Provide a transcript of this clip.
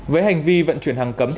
với hành vi vận chuyển hàng cấm